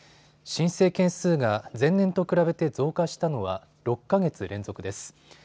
申請件数が前年と比べて増加したのは６か月連続です。